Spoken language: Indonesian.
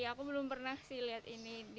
aku belum pernah sih lihat ini